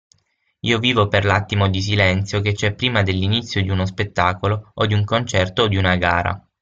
Io vivo per l'attimo di silenzio che c'è prima dell'inizio di uno spettacolo o di un concerto o di una gara.